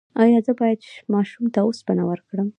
ایا زه باید ماشوم ته اوسپنه ورکړم؟